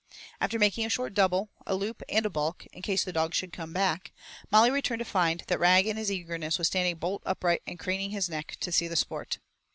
After making a short double, a loop and a baulk in case the dog should come back, Molly returned to find that Rag in his eagerness was standing bolt upright and craning his neck to see the sport.